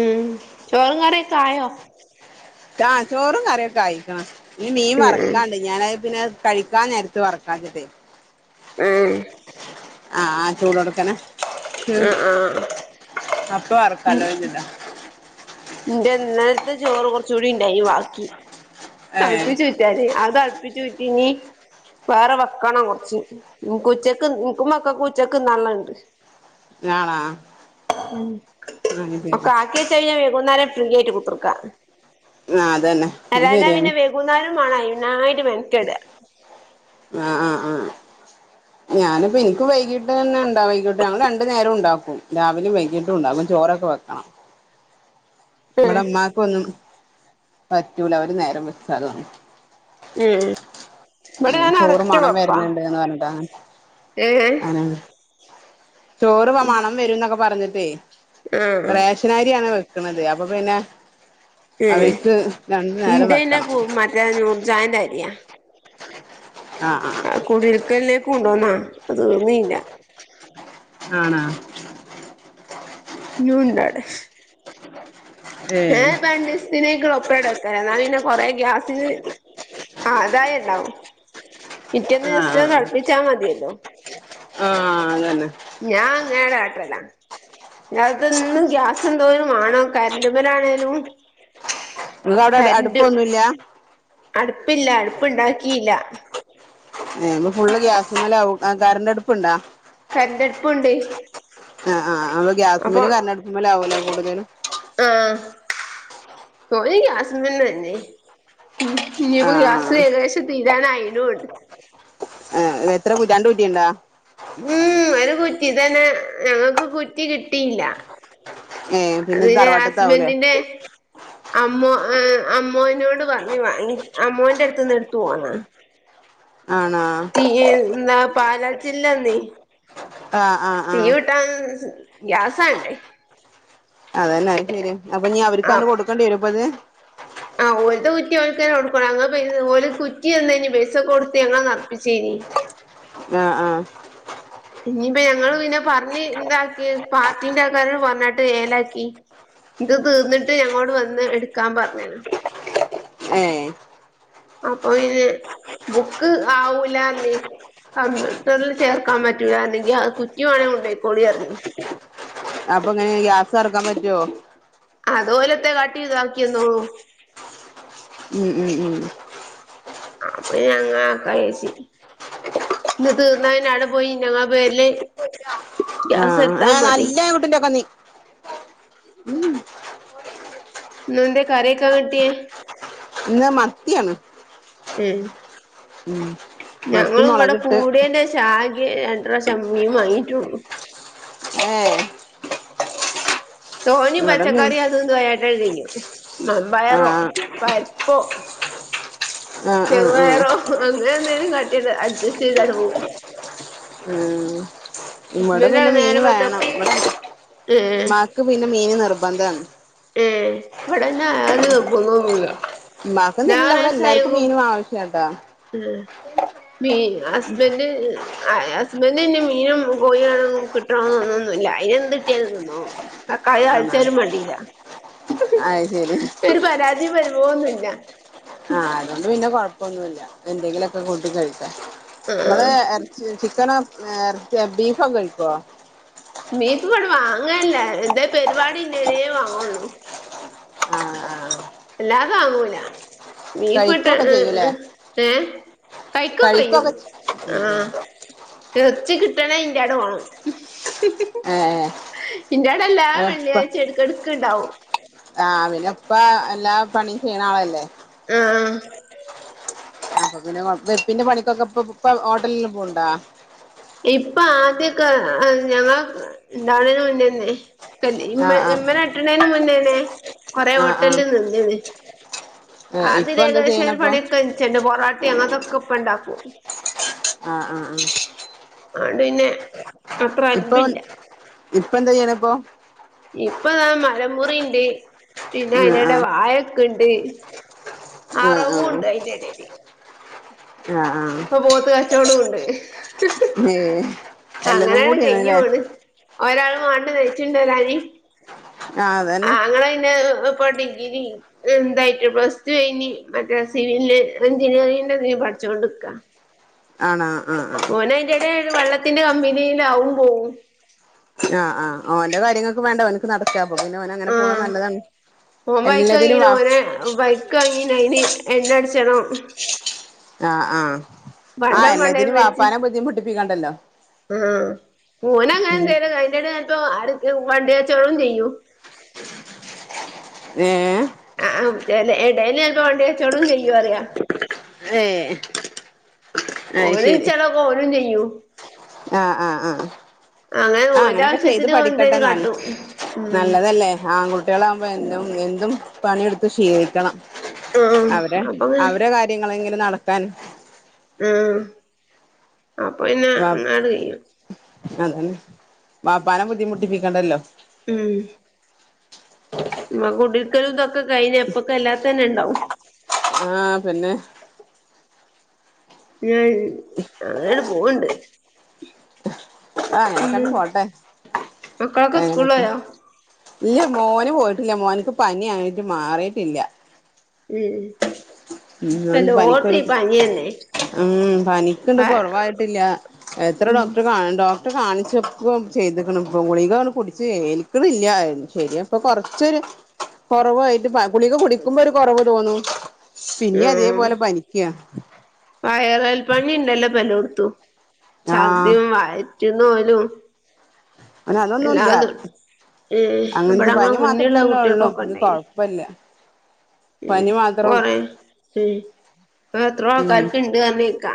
ഉം ചോറും കറിയൊക്കെ ആയോ ആാ ചോറും കറിയൊക്കെ ആ യിക്കണ് ഇനി മീൻ ഉം വറക്കാണ്ട് ഞൻ അഹ് പിന്നെ കഴിക്കാൻ നേരത്ത് വറക്കാച്ച്ട്ടെ ഏ ആ ചൂടൊട്ക്കനെ ആഹ് ആഹ് അപ്പൊർക്ക ഉം [unintelligible] ഇന്റെ ഇന്നലത്തെ ചോറ് കൊറച്ചു കൂടി ണ്ടായിനി ബാക്കി ഏ തൾപ്പിചു ഞാൻ അഹ് ത്തള്പ്പിചൂട്ടി നി വേറെ വെക്കണം കൊറച്ച് എനിക്കും മക്കൾക്കും ഉച്ചക്ക് തിന്നളണ്ട് ശരി ബാക്കി വെച്ച കഴിഞ്ഞാൽ വൈകുന്നേരം ഫ്രീ ആയിട്ട് കുത്തിർക്കാം ആ അതന്നെ അത് അല്ലാഞ ശരിയാണ് പിന്നെ വൈകുന്നേരം വേണം അതിനയിട്ട് ഇരിക്ക ആ [inaudible] ഞാനിപ്പ എനിക്ക് വൈകീട്ട് തന്നെണ്ടാ വൈകീട്ട് രണ്ടു നേരംണ്ടാക്കും രാവിലും വൈകീട്ടും ഉണ്ടാക്കും ചോറൊക്കെ വെക്കണം ഉം ബടെ മ്മാക്കൊ ഒന്നും പറ്റൂല അവര് നേരം വെച്ചതന്നു ഇവിടെ ഞാൻ ഒരൊറ്റ വെപ്പ [unintelligible] പറഞ്ഞിട്ടാ ഏ ഉം ചോറ് മണം വരുംന്നൊക്കെ പറഞ്ഞിട്ടേ [unintelligible] റേഷൻ അരിയാണ് വെക്കണന്നത്. അപ്പൊ പിന്നെ ഏഹ് അവർക്ക് രണ്ടു നേരം വെക്കണം. [unintelligible] നൂറ്ജാൻ ൻ്റെ അരിയ ആ ആ കുടിൽക്കലിലേക്ക് കൊണ്ടുവന്നാ അത് തീർന്നീയില്ല ആണോ? ഇനിയും ഉണ്ട് അവിടെ ഏ രണ്ട് ദിവസത്തിൻ ഉള്ള ഒപ്പരം വെക്കലാ എന്നാ പിന്നെ കൊറെ ഗ്യാസിന് ആദായം ഉണ്ടാകും ആഹ് പിറ്റേന്നീസതിന് ആഹ് തളപ്പിച്ചാ മതിയല്ലോ ആഹ് അതന്നെ ഞാൻ അങ്ങയടെ ആാട്ടല്ല ഇന്ന് ഗ്യാസംന്തോരും വേണം ഗ്യാസ് മേൽ ആണേലും നിങ്ങൾക്ക് അവടെ അടുപ്പൊന്നുല്ല അട്പ്പില്ല അട്പ്പ്‌ണ്ടാക്കിയില്ല ഏ ഫുള് ഗ്യാസിമെലാവും കറണ്ട് അടുപ്പ ണ്ടാ കരണ്ടടുപ്പുണ്ട്. ആ ആ് [unintelligible] ഗ്യാസ്മല് കരണ്ടടുപ്പിലാവും ലെ കൂടുതലും. ഗ്യാസ്മലന്നെ ഞ്ഞ് പ്പോഗ്യായാസ് ആഹ് ഏകദേശം തീരാനആയിട്ടുണ്ട് എത്ര കുറ്റി ഉണ്ട്? ഒരു കുറ്റി തന്നെ ഞങ്ങൾക്ക് കുറ്റി കിട്ടിയില്ല. ഏ ഇത് പിന്നെ തറവാട്ടത്താവൂലേ ഹസ്ബന്റ്ന്റെ അമ്മോനോട് പറഞ്ഞ് വാങ്ങി അമ്മോന്റെ അടുത് നിന്ന് ട്ത്തു പോന്നാത ആണ ഈന്താ പാലാച്ചില്ലാന്നീ ആഹ ഇട്ടൻ ഗ്യാസ അല്ലേ അതന്നെത് ശരി അപ്പൊ നീ അവർക്ക്ാണ് കൊടുക്കേണ്ടി വരും അപ്പ അത് ആ ഓരത്തെ കുറ്റി ഓക്കാര കൊടുക്കണം. ഓ കുറ്റി എന്തനി പൈസ കൊടുത്ത് നറപ്പിച്ചേനി ആ ആഹ് ഇനിയിപ്പ ഞങ്ങള് പിന്നെ പറഞ്ഞ് ഇന്താക്കി പാർട്ടിന്റെ ആക്കാര് പറഞ്ഞിട്ട് ഏലാക്കി. ഇത് തീർന്നിട്ട് ഞങ്ങോട് വന്ന് എടുക്കാൻ പറഞ്ഞാണ് ഏഹ് അപ്പൊ പിന്നെ ബുക്ക് ആവൂല ർഞ്ഞി കമ്പ്യൂട്ടറിൽ ചേർക്കാൻ പറ്റൂില്ലരുന്നെങ്കിൽ അത് കുറ്റി വേണെങ്കിൽ കൊണ്ട പോയിക്കോളി ഇറങ്ങി അപ്പൊ ഇങ്ങനെ ഗ്യാസ് ഇറക്കാൻ പറ്റോ? അതോലത്തെ കാട്ടി ഇത ആക്കിയന്നോള്ളു ഉം ഉം ഉം അപ്പൊ ഞങ്ങ കഴച്ചി ഇന്ന് തീർന്നാവിടെ പോയി ഞങ്ങാ പേരിലേ ആഹ് ആ നല്ല കുട്ടിന്റെക്കെ നീ ഉ എന്തെ കറിക്കാൻ കിട്ടിയെ? ഇന്ന് മത്തിയാണ് ഉം ഉം ഞങ്ങ മത്തി ഇവിടെ മൊളകിട്ട് കൂട്യേന്റെ ഷം ആകെ രണ്ട് പ്രാശേ മീൻ വാങ്ങിയിട്ടുള്ളു. ഏ ഹ് തോനിം ഇവിടെ മീൻ പച്ചക്കറി അതും ഇതും ആയിട്ടേ വെക്കും. മമ്പയറോ ആഹ് പരിപ്പോ ആഹ് ആഹ് ആഹ് ചെറുപയറോ അങ്ങനെ എന്തെങ്കിലും കട്ടിട്ട് അഡ്ജസ്റ്റ് ചെയ്ത് ആൻഡ് പോകു ഉം ഇവിടെ പിന്നെ ഹസ്ബൻഡാണ് നേരെ മീന് മറിച്ച വേണം. ഇടെ മത് ഏഹ് മ്മക്ക് പിന്നെ മീൻ നിർബന്ധണ് ഏ ഇവിടെന്നെ അയാത പോന്നൊന്നുമില്ല. ബാക്കന്നല്ല. ഇവിടെ എല്ലാർക്കും മീനും ആവശ്യ കേട്ടോ ആഹ് പിന്നെ ഹസ്ബെൻഡ് ആഹ് ഹസ്ബൻഡെ മീനും കോഴണ കിട്ടണന്ന്ന്നൊന്നുമല്ല അതിനന്ത് കട്ടിയാലും തിന്നും. തക്കാളി ആണോ താളിച്ചാലും മേണ്ടില്ല. അയ് ശരി ഒരു പരാതി പരുവോന്നുമല്ല ആഹ്. അതുകൊണ്ട് പിന്നെ കൊഴപ്പൊന്നുമില്ല. എന്തെങ്കിലുമൊക്കെ കൂട്ടി കഴിക്കാൻ. നമ്മള് ആഹ് ഇറച്ചി ചിക്കന ഇറച്ചി ബീഫൊ കഴിക്കുവോ ബീഫ ഇടെ വാങ്ങല്ല എന്താ പരിപാടി ഇന്നനേ വാങ്ങള്ളൂ. ആഹ് ആഹ് അല്ലാതെ ആങ്ങൂല ബീഫ ട്ട കഴിക്കൊക്കെ ഏ ചെയ്യൂലേ ഏ കഴിക്കൊക്കേ ചെയ്യും. കഴിക്കൊക്കെ ആഹ് ഇറചി കിട്ടണ ഇന്റെടെ പോണം. ഏഹ് ഇന്റെടെ എല്ലാം അപ്പ വെള്ളിയാഴ്ചയും എടുക്ക എടുക്കണ്ടാവും. ആഹ് അവന ഇപ്പ എല്ലാ പണിയും ചെയ്യണ ആളല്ലേ? ആഹ് അപ്പൊ പിന്നെ വെപ്പിന്റെ പണിക്കൊക്കെ ഇപ്പ ഹോട്ടൽലും പോകണ്ടോ? ഇപ്പൊ ആദ്യൊക്കെ ഞങ്ങ ഉണ്ടാവണ മുന്നന്നെ ക ഇമ്മ ആഹ് ആഹ് ഇമ്മനേ കേട്ടണേന് മുന്നേന്നേ കൊറെ ആഹ് ആഹ് ഹോട്ടലിൽ നിന്നിന്.. ഏഹ് ആതി ഇപ്പൊ എന്താ ഏകദേശം ഒരു ചെയ്യണപ്പൊ പണിയൊക്കെ ചെ പൊറാട്ടി അങ്ങനത്തെക്കെ ഇപ്പ ഇണ്ടാക്കും. ആഹ് ആഹ് ആണ്ട് പിന്നെ അത്ര ഇപ്പൊ അൻപില്ല ഇപ്പന്താ യ്യ്ണ് പ്പൊ ഇപ്പൊ മരംമുറിണ്ട് പിന്നെ ആഹ് അയിൻ്റെടെ ആഹ് വാഴക്കെണ്ട് ആഹ് ആഹ് അറവുണ്ട് അയിന്റെടേല്. ആഹ് ആഹ് ഇപ്പൊ പോത്ത് കച്ചോടുണ്ട്. ഏഹ് എല്ലതും കൂടിയാണ് ല്ലേ ഒരാളും വാണ്ടേ നയ്ച്ചൊണ്ടരാന് ആ അതന്നെ ആങ്ങള ഇന്നെ പടി ങ്കിരി എന്തായിട്ട് പ്ലസ് ത് കഴിഞ് മറ്റേ സിവില് എഞ്ചിനീയറിങ്ങിന്റെ തിന് പഠിച്ചോണ്ടിരിക്ക ആണോ ആഹ് ഓന് അയ്ന്റെടേല് വള്ളത്തിന്റെ കമ്പനീലാവും അഹും പോവും ആഹ് ആഹ് ഓന്റെ കാര്യങ്ങൾക്കും വേണ്ടേ ഇത് നട്ക്കപ്പം പിന്നെ ഓനങ്ങനെ പോണത് ആഹ് നല്ലതാണ് ഓൻ ബൈക്ക് എല്ലതിനും വാങ്ങീന് വാ ഓന് ബൈക്ക് വാങ്ങിന് അയ്ന് എണ്ണട്ച്ചണം ആഹ് ആഹ് ആ പണ്ടം പണയം എല്ലാതിനും വെച്ച് വാപ്പാനെ ബുദ്ധിമുട്ടിപ്പിക്കണ്ടല്ലോ ആഹ് ഓന് ഉം അങ്ങനെന്തേലും അയിന്റെടെല് ചെൽപ്പോ അട് വണ്ടി കച്ചോടും ചെയ്യും. ഏഹ് ആഹ് എടേല് ചെൽപ്പോ വണ്ടി കച്ചോടും ചെയ്യും അറിയാ ഏഹ് ആയ് ഓന് ശെരി ചെലതൊക്കെ ഓനും ചെയ്യും ആഹ് ആഹ് ആഹ് അങ്ങനെ ആഹ് ഓന്റെ അങ്ങനൊക്കെ ചെയ്ത് ആവശ്യത്തിന് ഓൻ പഠിക്കട്ടെ എന്തേലും ന്നല്ല കാട്ടും നല്ലതല്ലേ ആൺകുട്ടികളാകുമ്പോ എന്തും എന്തും പണിയെടുത്ത് ശീലിക്കണം ആഹ് അവടെ അപ്പൊങ്ങ അവരെ കാര്യങ്ങളെങ്കിലും നടക്കാൻ ഉം അപ്പം ന്നെ അങ്ങനട് കയ്യും അതന്നെ വപ്പാനെ ബുദ്ധിമുട്ടിപ്പിക്കണ്ടല്ലോ ഉം മ്മക്ക് കുടിര്ക്കലും ഇതൊക്കെ കഴിഞ്ഞ അപ്പക്ക് അല്ലാത്തതന്നെ ഇണ്ടാവും. ആഹ് പിന്നെ? [unintelligible] അങ്ങനെ പോവ്ണ്ട് ആഹ് പിന്നെ അങ്ങനൊക്കണ്ട് പോട്ടെ മക്കളൊക്കെ എങ്ങനൊക്കെ സ്കൂളിലോയോ ഇല്ല മോന് പോയിട്ടില്ല മോൻക്ക് പനി ആയിട്ട് മാറിട്ടില്ല ഉം ഉം ഓൻക്ക് ഇപ്പെല്ലോട്ത്തും പനിക്കൊരു ഈ പനിന്നെ ഉം പനിക്കിണ്ട് കൊറവായിട്ടില്ല എത്ര ഉം ഡോക്ടർ കാൺണ്ടോ ട്ടെ കാണിച്ച് അപ്പം ചെയ്ത്ക്ക്ണ് ഇപ്പ ഗുളികണ്ട് കുടിച്ച് ഏൽക്ക്ണില്ല ശെരി അപ്പൊ കൊർച്ചൊര് കൊറവായിട്ട് പ ഗുളിക കുടിക്കുമ്പോര് കൊറവ് തോന്നും പിന്നിം അതേപോലെ പനിക്കാ വൈയ്റൽപ്പനി ണ്ടല്ലോ പ്പെല്ലോട്ത്തും ആഹ് ഛർദിം, വയറ്റീന്ന്, പോലും ഓന് അതൊന്നുല്ല ഉം അങ്ങൻത്തെ ഇവിടെ ഞങ്ങളെ പനി മാത്രം മുന്നിലുള്ള തന്നെ ഒള്ളു കുട്ടികൾക്കൊക്കെ ഇത് കൊഴ ഉണ്ടായി പല്ല ഉം കൊറെ ഉം എത്രോ ഉം ആൾക്കാർക്ക്ണ്ട് പർഞ്ഞേക്കാ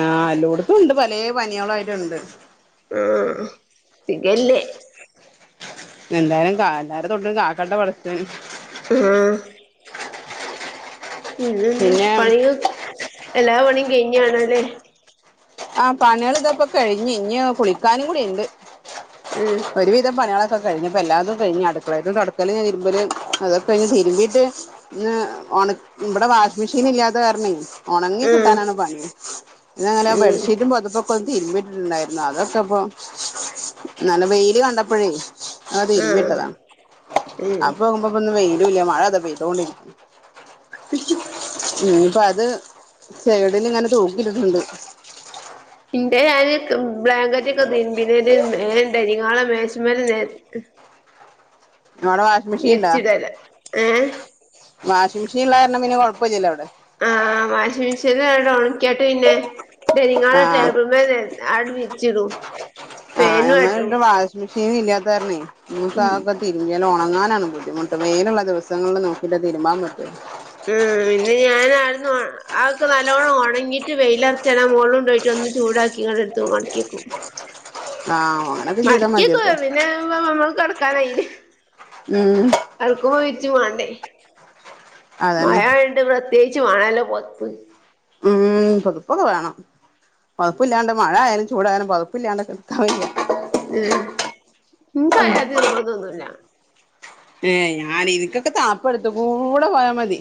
ആഹ് എല്ലോട്ത്തുണ്ട് പലേ പനികളായിട്ട്ണ്ട് ആഹ് സിഗല്ലേ എന്തായാലും കാ എല്ലാരെ തൊട്ടും കാക്കാട്ടെ പടച്ചോന് ആഹ് പിന്നെന്ത് പിന്നെ പണിക എല്ലാ പണിം കഴിഞ്ഞാണല്ലേ? ആഹ് പണിയാള് ഇതപ്പ കഴിഞ്ഞ് ഇഞ്ഞ് കുളിക്കാനും കൂടിണ്ട് ഉം ഒരുവിധം പണി ആളൊക്കെ കഴിഞ് പ്പ എല്ലാര്തും കഴിഞ്ഞ് അടുക്കളേത്തെ തൊടക്കല്, തിരുമ്പല് അതൊക്കെ കഴിഞ് തിരുമ്പീട്ട് ഇന്ന് ഇവിടെ വാഷിം മെഷീന് ഇല്ലാത്ത കാരണേ ഒണങ്ങി ഉം കിട്ടാനാണ് പണി പിന്നെങ്ങനെ വെ ഉം ന്റെ പൊതപ്പൊക്കെ ഒന്ന് തിരുമ്പിട്ടിട്ട് ഇണ്ടായിരുന്നു അതൊക്കെപ്പം നല്ല വെയില് കണ്ടപ്പഴേ ഞാൻ ആഹ് തിരുമ്പിട്ടതാ ഉം അപ്പോകുമ്പോ ഇന്ന് വെയ്ലുല്ല മഴതാ പെയ്തൊണ്ടിരി ഇഞ്പ്പ അത് സൈഡ്ല് ഇങ്ങനെ തൂക്കിയിട്ടിട്ടുണ്ട് ഇൻ്റെ ഞാന് ബ്ലാങ്കറ്റ് ഒക്കെ തിര്മ്പിന്റെന് മേം ഡൈനിങ്ഹാളില് മേശമല് നേര് [unintelligible] വിര്ച്ചിടല് ഏഹ് വാഷിംഗ് മിഷീന്ള്ള കാരണം പിന്നെ കൊഴപ്പല്ലല്ലോ അവിടെ ആഹ് വാഷിംഗ് മെഷീൻലണ്ട് ഒൺക്ക്യണ്ട് പിന്നെ ഡൈനിങ്ങാളില് ആഹ് ടേബിൾമേ നെര് ഞാട് വച്ചിടും ആഹ് ഞമ്മള് വാഷിംഗ് മെഷീൻ ഇല്ലാത്ത കാരണേ ദിവസം ഉം ആകെ തിര്മ്പ്യല് ഉണങ്ങാനാണ് ബുദ്ധിമുട്ട് വെയിലുള്ള ദിവസങ്ങളിൽ നോക്കിയിട്ട് തിരുമ്പാൻ പറ്റുള്ളൂ ഉം പിന്നെ ഞാന് ആട്ന്നോ ആഒക്കെ നല്ലോണം ഉണങ്ങിട്ട് വെയില അറച്ചണ മോൾള് ണ്ടോയ്ട്ട് ഒന്ന് ചൂടാക്കിങ്ങാണ്ട് എട് ത് മടക്കിക്കും ആഹ് അങ്ങനൊക്കെ ചെയ്താൽ മടക്ക്യക്കു മതിയപ്പൊ [unintelligible] ക്കാനായ്ന് ഉം അർക്കും പോയിട്ടു വേണ്ടേ [unintelligible] മഴ ആയോണ്ട് പ്രത്യേകിച്ച് വേണല്ലോ പൊതപ്പ് ഉം പുതുപ്പൊക്കെ വേണം പൊതപ്പില്ലാണ്ട് മഴയാലും ചൂടായാലും പൊതപ്പില്ലാണ്ട് കിട്ക്കാൻ വയ്യ ഏഹ് ഇൻക്കയാതി നിർബന്തൊന്നുല്ല ഏഹ് ഞാൻ ഇൻക്കൊക്കെ തണുപ്പ് എടുത്ത് കൂടെ പോയാ മതി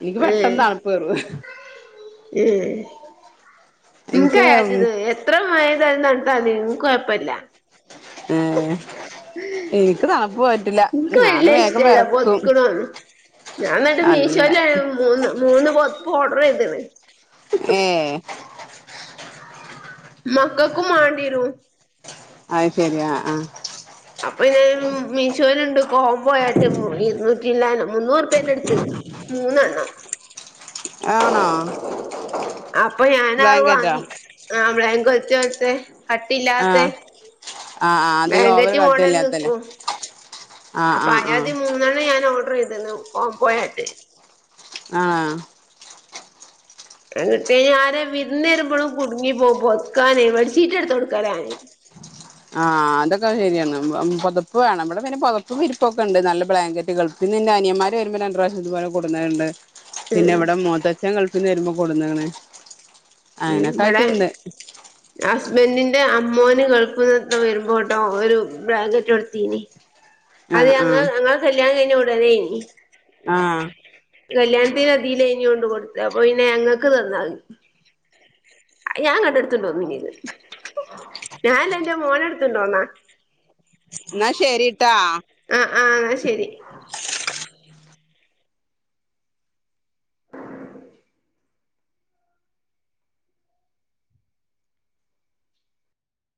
ഇനിക്ക് ഏഹ് പെട്ടെന്ന് തണുപ്പ് കേറും ഇൻക്ക് എനിക്ക് യദ്യത് എത്ര മഴയ്താലും തണുത്താലും ഇൻക് കൊഴപ്പല്ല ഏഹ് എനിക്ക് തണുപ്പ ഇൻക്ക് വല്യ ഇഷ്ടല്ല പൊത്ക്ണോന്നും ഞാൻ ന്നട്ട് അല്ല മീശോല് [unintelligible] മൂന്ന് മൂന്ന് പൊതപ്പ് ഓർഡർ ചെയ്ത്ണ് ഏഹ് മക്കക്കും മാണ്ട്യരും അഹ് ശരി ആഹ് ആഹ് അപ്പൊ പിന്നെ മീശുനുണ്ട് കോം പോയിട്ട് ഇരുന്നൂറ്റില്ലാന ഇല്ല മുന്നൂറ്പ്യെ കെടുത്ത് മൂന്നെണ്ണം ആണോ അപ്പൊ ഞാനാ ബ്ലാങ്കറ്റോ വാങ്ങി ബ്ലാങ്കറ്റോൽത്തെ ആ കട്ടില്ലാത്ത ആ ആ ബ്ലാങ്കറ്റ് മോഡൽ നിക്കും ആഹ് ആഹ് ആഹ് യാതി മൂന്നെണ്ണം ഞാൻ ഓർഡർ യ്തിന്നു കോംപോയിട്ട് ആഹ് അത് കിട്ടി ആരെ വിരുന്ന് വരുമ്പോഴും കുടുങ്ങി പോ പൊതക്കാനെ ബെഡ്ഷിറ്റ് എടുത്ത് കൊടുക്കലാ ഞാന് ആഹ് അതൊക്കെ ശരിയാണ് പുതപ്പ് വേണം നമ്മടെ പിന്നെ പുതപ്പ് വിരിപ്പൊക്കെ ഉണ്ട് നല്ല ബ്ലാങ്കറ്റുകൾ പിന്നെ എന്റെ അനിയന്മാര് വരുമ്പോ രണ്ട് പ്രാവശം ഇതുപോലെ കൊടുന്നുണ്ട് പിന്നെ ഉം എവിടെ മൂത്തച്ഛൻ ഗൾഫ്ന്ന് വരുമ്പോ കൂടുന്ന് ണ് ഉം ബടെ ഹസ്ബൻറിന്റെ അമ്മോന് ഗൾഫ്ന്ന് വരുമ്പോട്ടോ ഒരു ബ്ലാങ്കറ്റ് കൊടുതീനി അത് ആഹ് ആഹ് യങ്ങഹ് ഞങ്ങളെ കല്യാണം കഴിഞ്ഞ ഉടനേനി ആഹ് കല്യാണത്തിനെ തിലേഞ് കൊണ്ട് കൊടുത്ത് അപ്പൊ പിന്നെ ഞങ്ങക്ക് തന്നഹ് അഹ് ഞാൻ ങ്ങട്ട്ടുതുണ്ടോന്നും ചെയ്ത് ഞാനല്ല എന്റെ മോന് എടുത്തൊണ്ടോന്നാ ന്നാ ശരിട്ടാ അഹ് ആഹ് ന്നാ ശരി